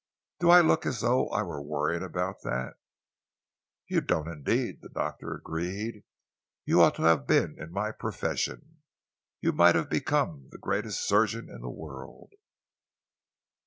Do I look as though I were worrying about that?" "You don't indeed," the doctor agreed. "You ought to have been in my profession. You might have become the greatest surgeon in the world."